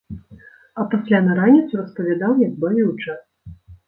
А пасля на раніцу распавядаў, як бавіў час.